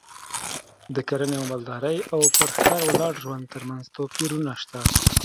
د کرنې او مالدارۍ او پر ښکار ولاړ ژوند ترمنځ توپیرونه شته